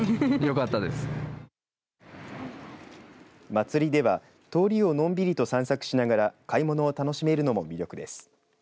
祭りでは通りをのんびりと散策しながら買い物を楽しめるのも魅力です。